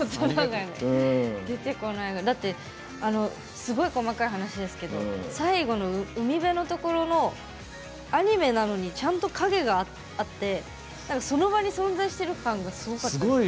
だってすごい細かい話ですけど最後の海辺のところのアニメなのにちゃんと影があってその場に存在してる感がすごかった。